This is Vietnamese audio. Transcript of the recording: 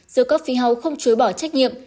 the coffee house không chối bỏ trách nhiệm